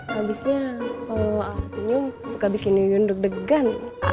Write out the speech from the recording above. habisnya kalau senyum suka bikin iyun deg degan